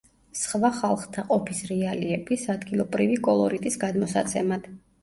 სხვა ხალხთა ყოფის რეალიების, ადგილობრივი კოლორიტის გადმოსაცემად.